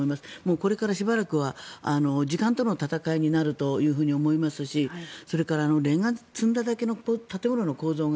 これからしばらくは時間との戦いになると思いますしそれから、レンガを積んだだけの建物の構造が